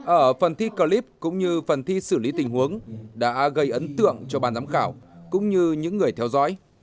ở phần thi clip cũng như phần thi xử lý tình huống đã gây ấn tượng cho ban giám khảo cũng như những người theo dõi